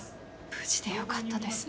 無事でよかったですね。